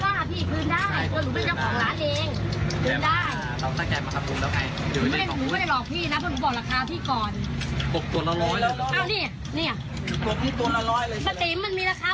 พอขายเหมือนกันกลัวละ๑๐๐เหมือนกัน